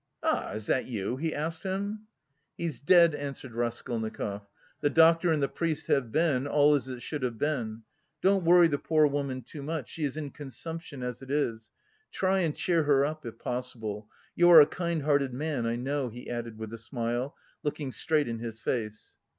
"Ah, is that you?" he asked him. "He's dead," answered Raskolnikov. "The doctor and the priest have been, all as it should have been. Don't worry the poor woman too much, she is in consumption as it is. Try and cheer her up, if possible... you are a kind hearted man, I know..." he added with a smile, looking straight in his face.